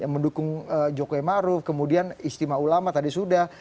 mendukung jokowi maruf kemudian istimewa ulama tadi sudah